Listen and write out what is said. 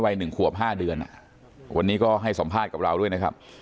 หนึ่งขวบ๕เดือนวันนี้ก็ให้สัมภาษณ์กับเราด้วยนะครับ